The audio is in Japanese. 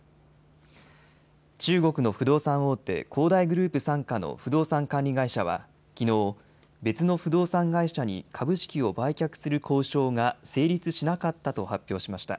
中国の不動産大手、恒大グループ傘下の不動産管理会社はきのう、別の不動産会社に株式を売却する交渉が成立しなかったと発表しました。